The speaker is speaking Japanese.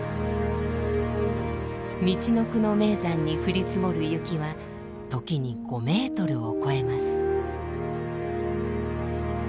みちのくの名山に降り積もる雪は時に５メートルを超えます。